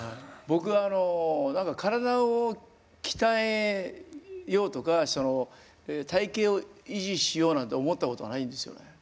僕はだから体を鍛えようとか体形を維持しようなんて思ったことはないんですよね。